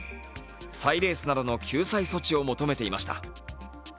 再レースなどの救済措置を求めていました。